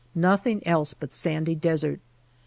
Nothing else but sandy desert.